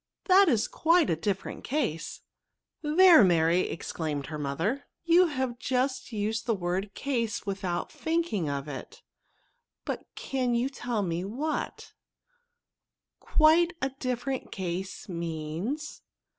That is quite a different case." There ! Mary," exclaimed her mother ;" you have said the word case without think ing of it ; but can you tell me what, * quite a different case' means?"